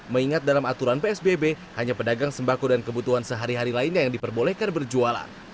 mengingat dalam aturan psbb hanya pedagang sembako dan kebutuhan sehari hari lainnya yang diperbolehkan berjualan